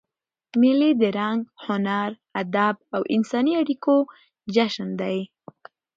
مېلې د رنګ، هنر، ادب او انساني اړیکو جشن دئ.